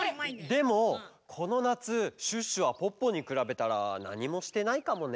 でもこのなつシュッシュはポッポにくらべたらなにもしてないかもね。